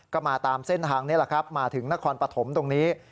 ก็มาตามเส้นทางนี้มาถึงนครปฐมตรงนี้